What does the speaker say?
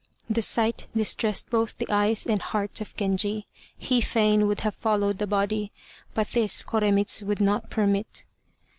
The sight distressed both the eyes and heart of Genji. He fain would have followed the body; but this Koremitz would not permit.